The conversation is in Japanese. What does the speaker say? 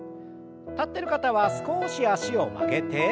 立ってる方は少し脚を曲げて。